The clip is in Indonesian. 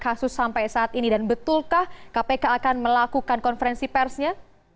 kasus sampai saat ini dan betulkah kpk akan melakukan konferensi persnya